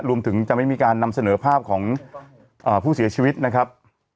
รวมถึงจะไม่มีการนำเสนอภาพของผู้เสียชีวิตนะครับ